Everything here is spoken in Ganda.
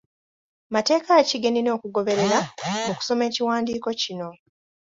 Mateeke ki ge nnina okugoberera mu kusoma ekiwandiiko kino?